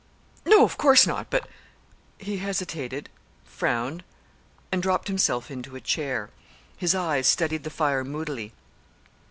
"No, of course not; but " He hesitated, frowned, and dropped himself into a chair. His eyes studied the fire moodily.